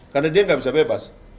karena dia nggak bisa bebas